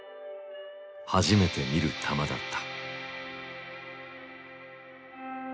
初めて見る球だった。